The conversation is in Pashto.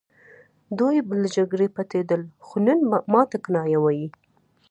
دوی به له جګړې پټېدل خو نن ماته کنایه وايي